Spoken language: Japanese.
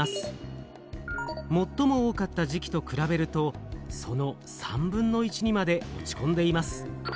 最も多かった時期とくらべるとその３分の１にまで落ちこんでいます。